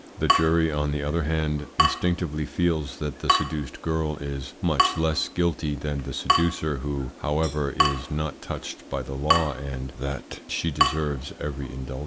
The jury, on the other hand, instinctively feels that the seduced girl is much less guilty than the seducer, who, however, is not touched by the law, and that she deserves every indulgence.